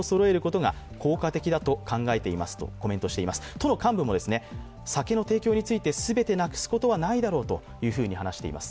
都の幹部も酒の提供について全てなくすことはないだろうと話しています。